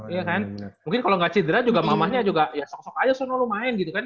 iya kan mungkin kalau nggak cedera juga mamahnya juga ya sok sok aja sono lu main gitu kan